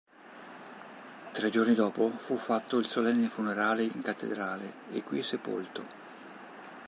Tre giorni dopo fu fatto il solenne funerale in cattedrale e qui sepolto.